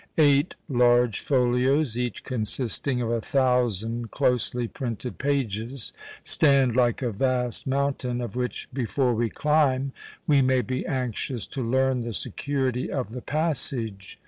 Eight large folios, each consisting of a thousand closely printed pages, stand like a vast mountain, of which, before we climb, we may be anxious to learn the security of the passage.